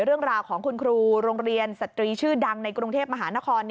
เรื่องราวของคุณครูโรงเรียนสตรีชื่อดังในกรุงเทพมหานคร